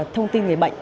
thông tin về bệnh